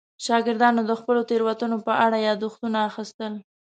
شاګردانو د خپلو تېروتنو په اړه یادښتونه اخیستل.